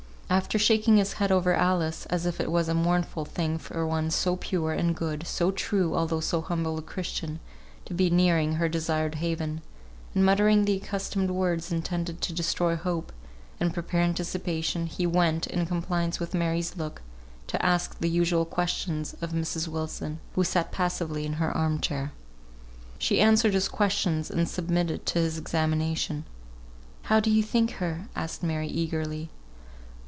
After shaking his head over Alice (as if it was a mournful thing for one so pure and good, so true, although so humble a Christian, to be nearing her desired haven), and muttering the accustomed words intended to destroy hope, and prepare anticipation, he went in compliance with Mary's look to ask the usual questions of Mrs. Wilson, who sat passively in her arm chair. She answered his questions, and submitted to his examination. "How do you think her?" asked Mary, eagerly.